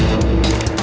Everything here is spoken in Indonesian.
lo sudah bisa berhenti